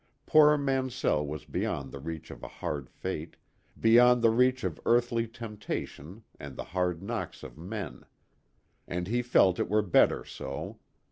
Poor Mansell was beyond the reach of a hard fate, beyond the reach of earthly temptation and the hard knocks of men. And he felt it were better so.